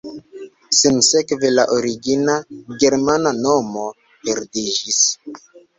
Sinsekve la origina germana nomo perdiĝis.